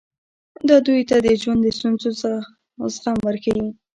دا دوی ته د ژوند د ستونزو زغم ورښيي.